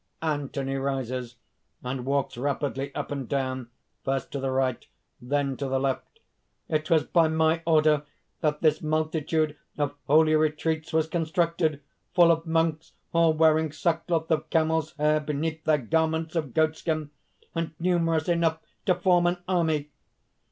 (Anthony rises and walks rapidly up and down, first to the right, then to the left.) "It was by my order that this multitude of holy retreats was constructed full of monks all wearing sackcloth of camel's hair beneath their garments of goatskin, and numerous enough to form an army.